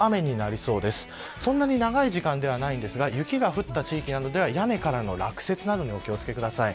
そんなに長い時間ではないんですが雪が降った地域などでは屋根からの落雪などにお気を付けください